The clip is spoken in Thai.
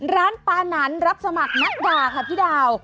ร้านปานันรับสมัครนักด่าค่ะพี่ดาว